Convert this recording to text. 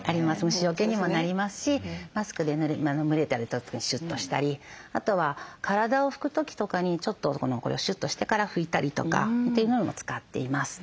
虫よけにもなりますしマスクで蒸れた時シュッとしたりあとは体を拭く時とかにちょっとこれをシュッとしてから拭いたりとかっていうのにも使っています。